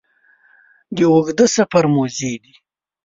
د اوږده سفر موزې دي